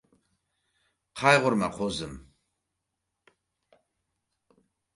Qayg‘urma, qo‘zim.